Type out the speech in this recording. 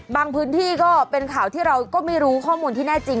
พื้นที่ก็เป็นข่าวที่เราก็ไม่รู้ข้อมูลที่แน่จริง